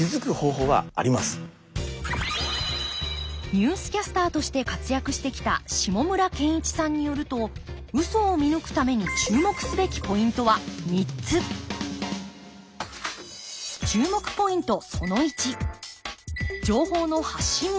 ニュースキャスターとして活躍してきた下村健一さんによるとウソを見抜くために注目すべきポイントは３つ注目ポイント